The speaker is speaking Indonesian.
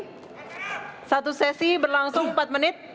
jadi satu sesi berlangsung empat menit